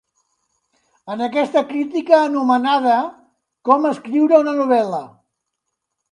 En aquesta crítica anomenada "Com escriure una novel·la"